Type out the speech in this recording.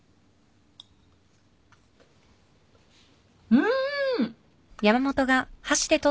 うん！